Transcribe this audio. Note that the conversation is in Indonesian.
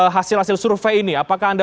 hasil hasil survei ini apakah anda